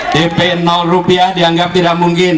dp rupiah dianggap tidak mungkin